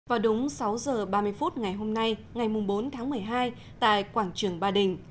vào đúng sáu giờ ba mươi phút ngày hôm nay ngày bốn tháng một mươi hai tại quảng trường ba đình